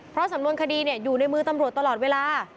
เพราะสำนวนคดีอยู่ในมือตำรวจตลอดเวลา